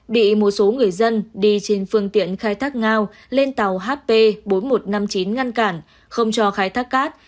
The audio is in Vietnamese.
bị một số người dân đi trên phương tiện khai thác ngao lên tàu hp bốn nghìn một trăm năm mươi chín ngăn cản không cho khai thác cát